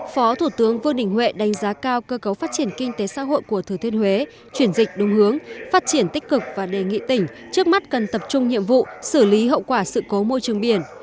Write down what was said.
phó thủ tướng vương đình huệ đánh giá cao cơ cấu phát triển kinh tế xã hội của thừa thiên huế chuyển dịch đúng hướng phát triển tích cực và đề nghị tỉnh trước mắt cần tập trung nhiệm vụ xử lý hậu quả sự cố môi trường biển